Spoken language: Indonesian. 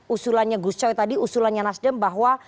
usulannya gus coy tadi usulannya nasdem bahwa